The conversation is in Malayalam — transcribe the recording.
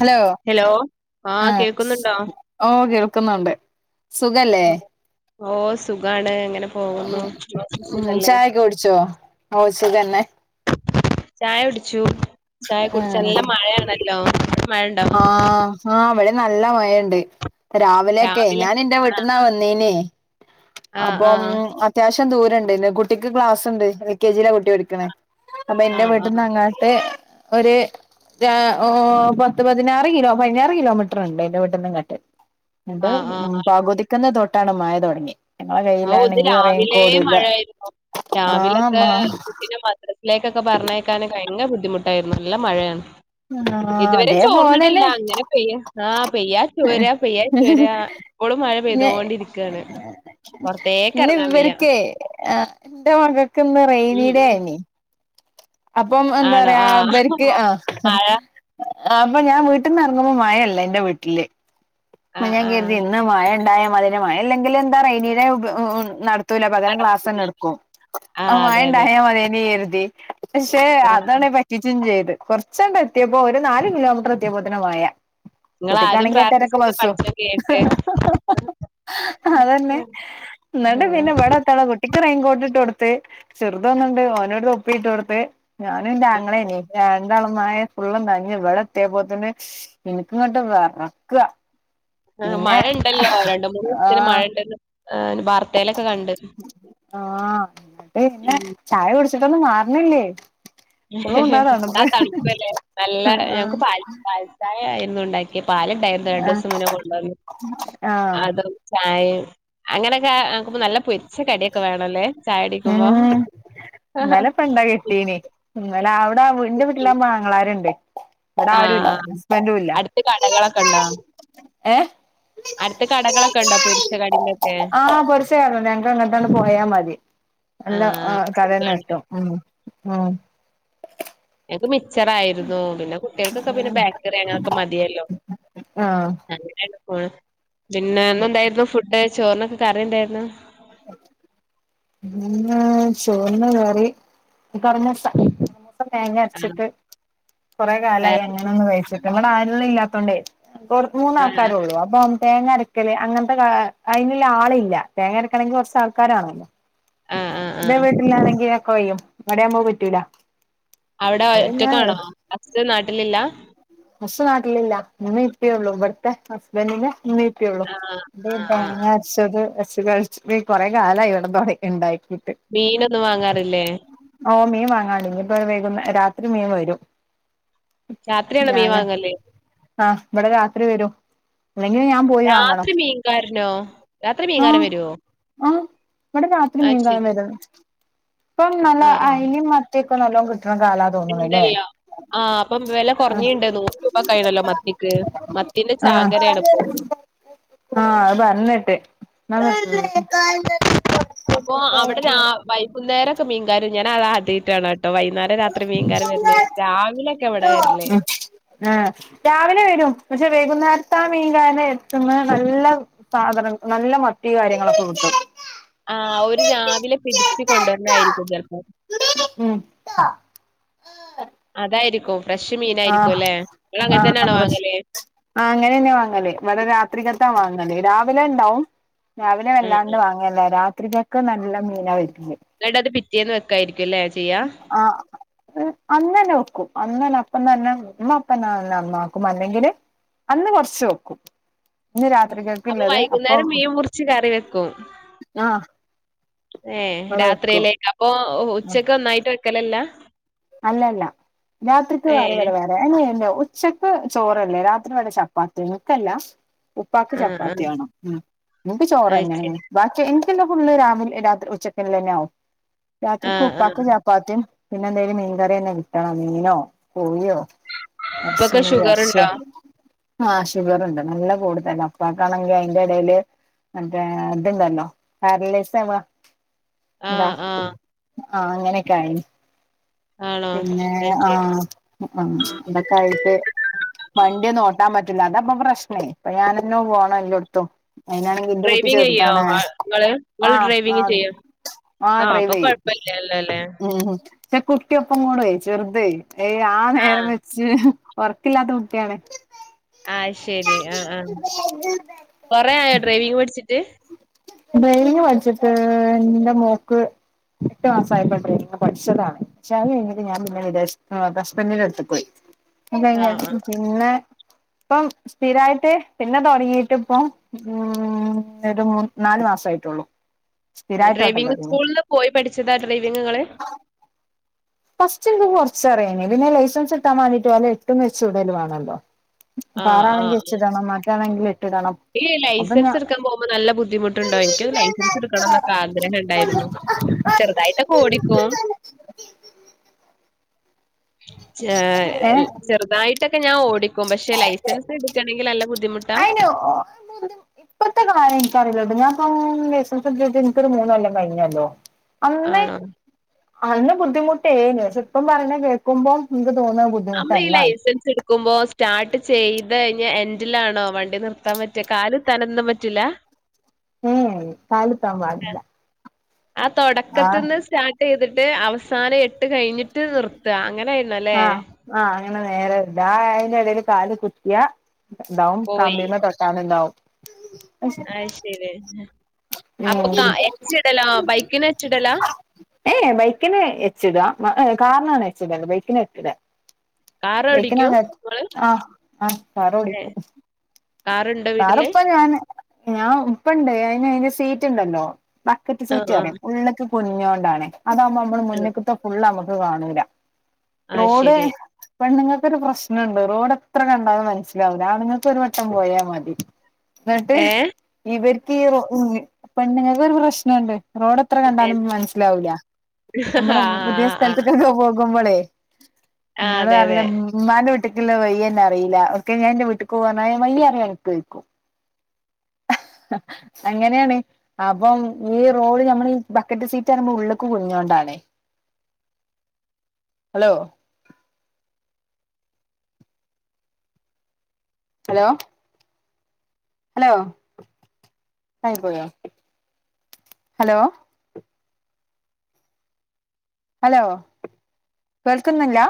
ഹലോ ആഹ് ഒഹ് കേൾക്കുന്നുണ്ട് സുഖലേ ഓ സുഖാണ് എങ്ങനെ പോകുന്നു നിങ്ങൾക്ക് സുഖല്ലേ ചായൊക്കെ കൂടിച്ചോ ഒഹ് സുഖന്നെ ചായ കുടിച്ചു ചായ കുടിച്ചു ആഹ് നല്ല മഴേണല്ലോ മഴ ഇണ്ടോ ആഹ് ആഹ് ഇവിടെ നല്ല മഴണ്ട് രാവിലെയൊക്കെ രാവിലെ ഞാൻ എന്റെ വീട്ട്ന്നാ വന്നീനെ ആഹ് അപ്പം ആഹ് അത്യാവശ്യം ദൂരണ്ട് ഇന്ന് കുട്ടിക്ക് ക്ലാസ് ഉണ്ട് എൽ കെ ജിലാ കുട്ടി പഠിക്ക്ണേ അപ്പൊ എന്റെ ആഹ് ആഹ് ആഹ് വീട്ട്ന്നങ്ങട്ട് ഒരു ര ഓഹ് പത് ത്ത് പതിനാറ് കിലോ പതിനാറ് കിലോമീറ്ററ്ണ്ട് ഇന്റെ വീട്ടീന്ന് ഇങ്ങട്ട് ന്നട്ട് ആഹ് ആഹ് പകുതി ക്കന്ന് തൊട്ടാണ് മഴ തൊടങ്ങി ഞങ്ങളെ ആഹ് ഇത് കയ്യിലാണെങ്കി റെയിൻ രാവിലെ കോടുല്ല ആഹ് മ്മ പിന്നെ മദ്രസിലേക്കൊക്കെ പറഞ്ഞേയക്കാൻ ഭയങ്കര ബുദ്ധിമുട്ടായിരുന്നു നല്ല മഴയാണ് ആ ഇതുവരെ അതേപോലെന്നെ ചോർന്നിട്ടില്ല അങ്ങനെ പെയ്യ ആഹ് പെയ്യ ചോരാ പെയ്യ ചോരാ പ്പളും മഴ പെയ്തോണ്ടിരിക്കാണ് പൊറത്തേക്ക് ഇന്ന് എറങ്ങാൻ വയ്യ ഇവർക്കേ എന്റെ മകക്ക് ഇന്ന് റെയ്നി ഉം ഡേ അയിനി അപ്പം എന്താ ആണോ? പറയാ ആഹ്. ഇവർക്ക് ആഹ് മഴ അപ്പൊ ഞാൻ വീട്ടിന്ന് എറങ്ങുമ്പോ മഴല്ല ഇന്റെ വീട്ടില് അപ്പൊ ആഹ് ഞാൻ കരുതി ആഹ്. ഇന്ന് മഴ ണ്ടായ മതിനി മഴ ല്ലെങ്കില് എന്താ റൈനീഡേ ഉപ നട ത്തൂല പകരം ക്ലാസ്സന്നെ എടുക്കും അഹ് ആഹ് അതെ അതെ. മയണ്ടായാ മതിനി കരുതി പക്ഷെ ആഹ് അതാണേ പറ്റിച്ചും ചെയ്ത് കൊറച്ചെങ്ങട്ട് എത്തിയപ്പോ ഒരു നാല് കിലോമീറ്റർ എത്തിയപ്പോത്തിന് മഴ ങ്ങളാദ്യം കുട്ടിക്കാണെങ്കി പ്രാർഥി എട്ടരക്ക് ബസ്സും ആഹ് അതന്നെ ന്നട്ട് പിന്നെ ആഹ്. ഇവടെ ത്ത്ള്ള കുട്ടിക്ക് റെയിൻകോട്ടിട്ട് കൊടുത്ത് ചെറുതൊന്നുണ്ട് ഓനോര് തൊപ്പിട്ട് കൊടുത്ത് ഞാനും ന്റെ ആങ്ങളേനി രാ ണ്ടാളും മഴ ഫുള്ളും നനഞ് ഇവടെത്തിയപ്പോത്തിന് ഇൻക് ങ്ങട്ട് വെറക്ക ആഹ് മഴ ണ്ടല്ലോ രണ്ട് മൂന്ന് ദിവസത്തിന് മഴ ആഹ് ണ്ടെന്ന് വാർത്ത ആഹ് ന്നട്ട് പിന്നെ ഉം. ചായ കുടിച്ചിട്ടൊന്നും മാറണില്ലേ ഇപ്പളും ഉണ്ടാ എന്താ തണുപ്പ് തണുപ്പല്ലേ നല്ല ആഹ് ഞങ്ങക്ക് പാല് പാൽച്ചായാ ആയിനു ണ്ടാക്കിയെ പാല ണ്ടായിരുന്നു രണ്ടു ആഹ് ദിവസം മുന്നേ കൊണ്ടന്നെ ആഹ് അത് ചായേം അങ്ങനെക്കെ തണ്ക്കുമ്പോ നല്ല പൊരിച്ച കടിയൊക്കെ വേണല്ലേ ചായടിക്കുമ്പോ ട്ടീനി ഉം അല്ല അവിടെ ന്റെ വീട്ടിലാവുമ്പോ ആങ്ങളാരുണ്ട് ഇവിടാരുല്ല ആഹ്. ഹസ്ബന്റുല്ല അടുത്ത് കടകളൊക്കെ ഉണ്ടോ ഏഹ് അടുത്ത് കടകളൊക്കെ ഉണ്ടോ പൊരിച്ച കടീന്റെ ഒക്കെ ആഹ് കൊറച്ച് നേരോള്ളൂ ഞങ്ങക്ക് അങ്ങട്ടണ് പോയാ മതി എല്ലാം ആഹ് അപ്പൊ കടേന്ന് സുഖാണ് കിട്ടും ഉം ഉം ഇൻക് മിച്ചർ ആയിരുന്നു പിന്നെ കുട്ടിയാൾക്കൊക്കെ പിന്നെ ബേക്കറിയങ്ങനൊക്കെ മതിയല്ലോ ആഹ് അങ്ങനാണ്പ്പോണ് പിന്നെന്നെന്തായിരുന്നു ഫുഡ് ചോറിനൊക്കെ കറിയെന്തായിരുന്നു അ [inaudible] ഇന്ന് ചോറിന് കറി കറമൂസ മത്തം തേങ്ങ ആണോ അരച്ചിട്ട് കൊറേ കാലായി വേറെ അങ്ങനെയൊന്ന് കഴിച്ചിട്ട് ഇവടെ ആളുകളില്ലാത്തോണ്ടേ കൊറ് ആഹ് മൂന്നാൾക്കാരെ ഒള്ളൂ അപ്പം തേങ്ങരക്കല് അങ്ങനത്തെ അതിനുള്ള ആളില്ല തേങ്ങ അരയ്ക്കണെങ്കി കൊറച്ചാൾക്കാരാണല്ലോ ആഹ് ആഹ് ഇന്റെ ആഹ് വീട്ടിലാണെങ്കി ഒക്കെ കയ്യും ഇവിടെയാവുമ്പോ അത് പറ്റൂല അവിടെ അപ്പൊ പിന്നെ ഒറ്റക്കാണോ ഹസ് നാട്ടിലില്ല ഹസ് നാട്ടലില്ല ഇമ്മീം ഇപ്പിയൊള്ളു ഇവിടുത്തെ ഹസ്ബെന്റിന്റെ ഇമ്മീം പ്പിയൊള്ളു ആഹ് എന്തേലും ആഹ് ആഹ് തേങ്ങ അരച്ചത് വെച്ച് കഴിച്ചിട്ട് കൊറെ കാലായി ഇവിടെ തോ ണ്ടാക്കിയിട്ട് മീനൊന്നും വാങ്ങാറില്ലേ ഓഹ് മീൻ വാങ്ങാല്ലങ്കിപ്പോ വൈകുന്നേ രാത്രി മീൻ വരും രാത്രിയാണോ മീൻ ഞാന വാങ്ങല് ആഹ് ഇവിടെ രാത്രി വരും ഇല്ലെങ്കില് ഞാൻ പോയി വാങ്ങണം രാത്രി മീൻകാരനോ രാത്രി മീൻകാരൻ ആഹ് വരുവോ ആഹ് ഇവിടെ രാത്രി അത് മീൻകരൻ ശരി വരും ഇപ്പം നല്ല ആഹ് ആഹ് അയിലേം മത്തിയൊക്കെ നല്ലോം കിട്ടണ കാലാ തോന്നുണല്ലേ ഇണ്ടല്ലോ ആഹ് ഇപ്പം വെല കൊറഞ്ഞിണ്ട് നൂറ് രൂപക്കായിണല്ലോ മത്തിക്ക് മത്തീന്റെ ആഹ് ചാകരയാണ്പ്പോ ആഹ് അത് പറഞ്ഞേട്ട് ഉം അപ്പൊ അവിടെ രാ വൈകുന്നേരൊക്കെ മീൻകാര് ഞാനത് ആദ്യയിട്ടാണ് ട്ടൊ വൈന്നേരം രാത്രി മീൻകാരൻ വരണേ രാവിലെ ഒക്കെ ഇവിടെ വരണേ ആഹ് രാവിലെ വരും പക്ഷെ വൈകുന്നേരത്താ മീൻ കാല എത്തുന്ന നല്ല സാധനം നല്ല മത്തി കാര്യങ്ങളൊക്കെ വിട്ടും ആഹ് ഒരു രാവിലെ പിടച്ച് കൊണ്ടുവരായിരിക്കും ചിലപ്പോ ട്ട ആഹ് അതായിരിക്കും ഫ്രഷ് മീനായിരിക്കും അല്ലേ ങ്ങളങ്ങൻ ആഹ് തന്നാണോ ഫ്രഷ് വാങ്ങല്? ആഹ് അങ്ങനെന്നെയ വാങ്ങല്‌ വട രാത്രിക്കത്താ വാങ്ങല് രാവിലെ ണ്ടാവും? രാവിലെ ഉം വല്ലാണ്ട് ഉം വാങ്ങല്ല രാത്രി കെക്ക് നല്ല മീന വീട്ടില് ന്ന്‌ട്ടത് പിറ്റേന്ന് വെക്കായിരിക്കുംല്ലേ? ചെയ്യാ ആഹ് ഉ അന്നന്നെ വെക്കും അന്നന്നെ അപ്പം തന്നെ മ്മ അപ്പ തന്നെ നന്നാക്കും അല്ലെങ്കില് അന്ന് കൊർച്ച് വെക്കും ഇന്ന് രാത്രികക്ക് അപ്പൊ ഇള്ളത് അപ്പം വൈകുന്നേരം മീൻ മുറിച്ച് കറി വെക്കും ആഹ് ഏഹ് ഇവടെ വെക്കും രാത്രിയിലേക്ക് അപ്പൊ ഉച്ചക്കൊന്നായിട്ട് വെക്കലല്ല? അല്ലല്ല രാത്രിക്ക് ഏഹ് വേറെവിടെ വേ [unintelligible] ഉച്ചക്ക് ചോറല്ലേ രാത്രി വടെ ചപ്പാത്തി എനിക്കല്ല ഉപ്പാക്ക് ആഹ് ആഹ് ചപ്പാത്തി വേണം ഉം നിക്ക് ചോറ് അത് തന്നെയണ് ശരി. ബാക്കി എ ക്കെല്ലൊം ഫുള്ള് രാവിലെ രാത്രി ഉച്ചക്കല്ലന്നാവും രാത്രിക്ക് ആഹ് ഉപ്പാക്ക് ആഹ്. ച പ്പാത്യും പിന്നെന്തേലും മീങ്കറിയെന്നെ കിട്ടണം മീനോ കോയ്യോ ഇപ്പൊക്കെ ഷുഗറുണ്ടോ? [unintelligible] ആഹ് ഷുഗറുണ്ട് നല്ല കൂടുതല പ്പാക്കാണെങ്കിൽ അയിന്റെടേല് മറ്റേ ത് ണ്ടല്ലോ അർളി സെവ ന്താ ആഹ് ആഹ്. ആഹ് അങ്ങനൊക്കായിനി ആണോ? പിന്നെ അത് ശരി. ആഹ് [unintelligible] ന്തൊക്കായിട്ട് വണ്ടിയെന്നോട്ടാൻ പറ്റില്ല അത പ്പൊ പ്രശ്നേ പ്പ ഞാനെന്ന പോണം എല്ലട്ത്തും അയിനാണെങ്കി ന്റെ കുട്ടി ഡ്രൈവിംഗ് ചെയ്യോ ചെർതാണ് ആഹ് ഇങ്ങള്? ഇങ്ങള് ആഹ് ഡ്രൈവിംഗ് ആഹ് ചെയ്യോ? ആഹ് അപ്പൊ ഡ്രൈവെയ്യും കൊഴപ്പല്ലല്ലോല്ലേ. പക്ഷെ കുട്ടിയൊപ്പം കൂടെ ചെർതെ ഏയ് ആ നേരം ആഹ് വെ ഒർക്കില്ലാത്ത കുട്ട്യാണ് അയ് ശെരി ആഹ് ആഹ് കൊറെ ആയോ ഡ്രൈവിങ് പഠിച്ചിട്ട്? ഡ്രൈവിംഗ് പഠിച്ചിട്ട് ന്റെ മോക്ക് എട്ട് മാസായപ്പ ഡ്രൈവിംഗ് പഠിച്ചതാണ് [unintelligible] ഞാനു ങ്ങന വിചാരിച്ച് ആഹ് ഹസ്ബന്റിന്റട്ത്തെക്കോയ് ആഹ് ആഹ്. [unintelligible] പിന്നെ പ്പം സ്ഥിരായിട്ട് പിന്നെ തൊടങ്ങീട്ട് പ്പം ഊം ന്നൊരു മൂ നാല്മാസായിട്ടൊള്ളൂ ആഹ് സ്ഥിരായിട്ടോട്ടം ഡ്രൈവിംഗ് തൊടങ്ങി സ്കൂളില് പോയി പഠിച്ചതാ ഡ്രൈവിംഗ് ങ്ങള്? ഫസ്റ്റ് ൻക്കി കൊർച്ചറിയായ്നി പിന്നെ ലൈസൻസ് ക് ട്ടാൻ വേണ്ടിട്ട് ഓലെ എട്ടും എച്ചും ന്തായാലും വേണല്ലൊ ആഹ് ആഹ് കാറാണെങ്കി ആഹ്. എച്ചിടണം മറ്റാണെങ്കിൽ എട്ടിടണം ഈ അപ്പൊ ഞാ ലൈസൻസെടുക്കാൻ പോകുമ്പോ നല്ല ബുദ്ധിമുട്ടുണ്ടോ എനിക്കൊരു ലൈസൻസെടുക്കണം നൊക്കാ ഗ്രഹം ണ്ടായിരുന്നു ചെറുതായിട്ടൊക്കോടിക്കും ചേ എൽ ഏഹ് ചെറുതായിട്ടൊക്കെ ഞാൻ ഓടിക്കും പക്ഷെ ലൈസൻസെടുക്കണെങ്കിലല്ല ബു അയിന് ഓ [unintelligible] പ്പത്തെ കാര്യം എനിക്കറിയില്ലട്ടോ ഞാൻ പ്പം ലൈസൻസെടുത്തിട്ട് ഇൻക്കൊരു മൂന്നൊല്ലം കഴിഞ്ഞല്ലോ അന്ന് ആണോ? അന്ന് ബുദ്ധിമുട്ടേന് പക്ഷേ പ്പം പറയ്ന്ന കേക്കുമ്പം ൻക്ക് തോന്നാ ബു അമ്മളീ ലൈസൻസെട് ക്കുമ്പോ സ്റ്റാർട്ട് ചെയ്തഴിഞ്ഞ എൻഡിലാണോ വണ്ടി നിർത്താൻ പറ്റ കാലുത്താനൊന്നും പറ്റൂല്ല? ഏ എ കാലുത്താൻ പാടില്ല ആ ആഹ് തുടക്കത്തിന്ന് സ്റ്റാർട്ട് ചെയ്തിട്ട് അവസാനം എട്ട് കഴിഞ്ഞിട്ട് നിർത്തുക അങ്ങനെയാണ് ആഹ് ആ അങ്ങനെ നേരെ ഇണ്ട് ആ അയിൻ്റെ ഇടേല് കാല് കുത്തിയാ ണ്ടാവും പോയി. കാമ്പീമേ കൊറച്ച് നാള് ഉണ്ടാവും അഹ് ശരി അപ്പൊ കാ ഉം എച്ചിടലാ ബൈക്കിന് എച്ചിടലാ ഏയ് ബൈക്കിന് എച്ചിടാ കാറിനാണ് എച്ചിടത് ബൈക്കിന് എച്ചില്ല കാറോടിക്കും ബൈക്കിനാണ് ഇങ്ങള്? ആഹ് ആഹ് കറോടിക്കും കാറുണ്ട് കാർ ഇപ്പ ഞാന് ഞാൻ ഇപ്പ ഇണ്ട് അതി അതിന്റെ സീറ്റ് ഉണ്ടല്ലോ ബക്കറ്റ് ആഹ് സീറ്റ് റയും ആഹ്. ഉള്ളൊക്ക് പൊതിഞ്ഞോണ്ടാണേ അതാവുമോ നമ്മള് ആഹ്. മുന്നക്ക ഫുള് നമുക്ക് കാണൂല്ല അത് റോഡ് ശരി. പെണ്ണുങ്ങൾക്ക് ഒരു പ്രശ്നണ്ട് റോഡ് എത്ര കണ്ടാലും മനസ്സിലാവൂല ആണുങ്ങൾക്ക് ഒരു വട്ടം പോയാൽ മതി എന്നിട്ട് ഏഹ്? ഇവർക്ക് റോ പെണ്ണുങ്ങൾക്ക് ഒരു പ്രശ്നുണ്ട് റോഡ് എത്ര കണ്ടാലും മനസ്സിലാവൂല്ല ആഹ് നമ്മള് പുതിയ ആഹ്. സ്ഥലത്തേക്കൊക്കെ പോകുമ്പോളേ ആഹ് ഇങ്ങള് അതെ നല്ല അതെ മ്മാന്റെ വീട്ടിക്കില്ലേ വഴി എന്നെ അറിയില്ല ഒക്കെ ഞാനിന്റെ വീട്ട്ക്ക് പോകാന വയ്യ് അറിയോ കഴിക്കും അങ്ങനെയാണ് അപ്പം ഈ റോഡ് നമ്മൾ ഈ ബക്കറ്റ് സീറ്റാകുമ്പോൾ ഉള്ളേക്ക് കുഴിഞ്ഞോണ്ടണേ ഹലോ ഹലോ ഹലോ കട്ടായി പോയോ ഹലോ ഹലോ കേൾക്കുന്നില്ല